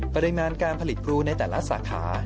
ปริมาณการผลิตพลูในแต่ละสาขา